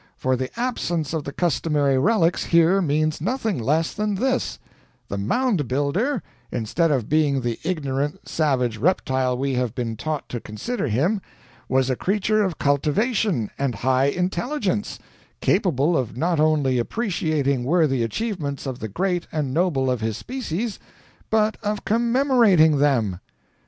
For the absence of the customary relics here means nothing less than this: The Mound Builder, instead of being the ignorant, savage reptile we have been taught to consider him, was a creature of cultivation and high intelligence, capable of not only appreciating worthy achievements of the great and noble of his species, but of commemorating them!